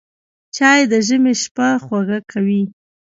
چای د ژمي شپه خوږه کوي